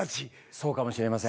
そうかもしれません。